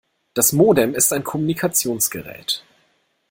Das Modem ist ein Kommunikationsgerät.